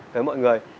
với mọi người